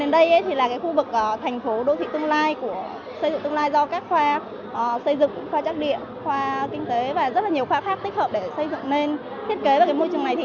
do các khoa xây dựng khoa chắc địa khoa kinh tế và rất nhiều khoa khác tích hợp để xây dựng lên thiết kế và môi trường này